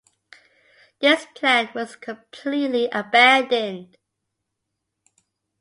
This plan was completely abandoned.